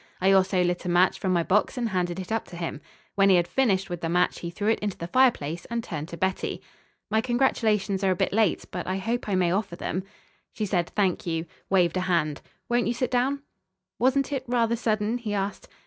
I also lit a match from my box and handed it up to him. When he had finished with the match he threw it into the fireplace and turned to Betty. "My congratulations are a bit late, but I hope I may offer them." She said, "Thank you." Waved a hand. "Won't you sit down?" "Wasn't it rather sudden?" he asked.